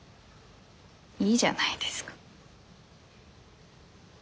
いいじゃないですか。